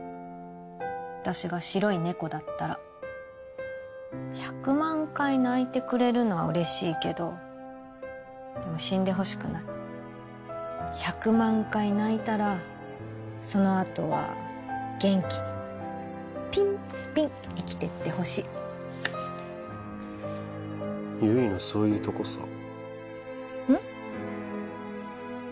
私が白いねこだったら１００万回泣いてくれるのは嬉しいけどでも死んでほしくない１００万回泣いたらそのあとは元気にピンピン生きてってほしい悠依のそういうとこさん？